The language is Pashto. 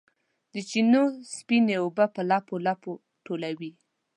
د چینو سپینې اوبه په لپو، لپو ټولوي